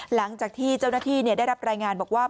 หลังจากที่เจ้าหน้าที่ได้รับรายงานบอกว่า